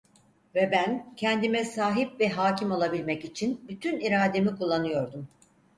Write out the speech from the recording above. Ve ben kendime sahip ve hâkim olabilmek için bütün irademi kullanıyordum.